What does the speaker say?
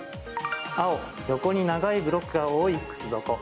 青・横に長いブロックが多い靴底。